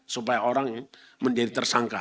supaya orang menjadi tersangka